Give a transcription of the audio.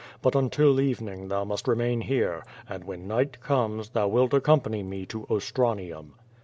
But until evening thou must re main here, and when night comes thou wilt accompany me to Ostranium."